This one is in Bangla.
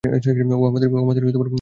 ও আমাদের অপহরণ করেছিল!